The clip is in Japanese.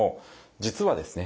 実はですね